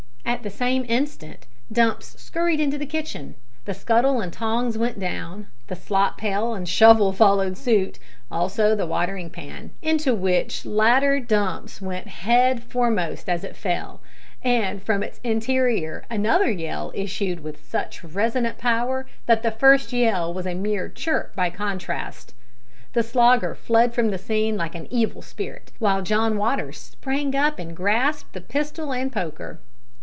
At the same instant Dumps scurried into the kitchen. The scuttle and tongs went down, the slop pail and shovel followed suit, also the watering pan, into which latter Dumps went head foremost as it fell, and from its interior another yell issued with such resonant power that the first yell was a mere chirp by contrast. The Slogger fled from the scene like an evil spirit, while John Waters sprang up and grasped the pistol and poker.